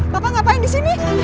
papa ngapain di sini